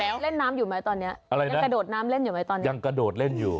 แล้วเล่นน้ำอยู่ไหมตอนนี้อะไรยังกระโดดน้ำเล่นอยู่ไหมตอนนี้ยังกระโดดเล่นอยู่